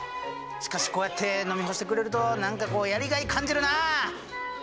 しかしこうやって飲み干してくれると何かこうやりがい感じるな。